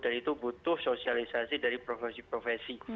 dan itu butuh sosialisasi dari profesi profesi